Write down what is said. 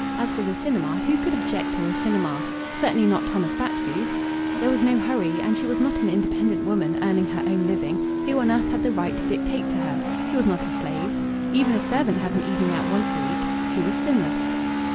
As for the cinema, who could object to the cinema? Certainly not Thomas Batchgrew! There was no hurry. And was she not an independent woman, earning her own living? Who on earth had the right to dictate to her? She was not a slave. Even a servant had an evening out once a week. She was sinless....